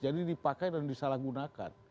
jadi dipakai dan disalahgunakan